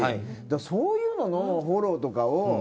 そういうののフォローとかを。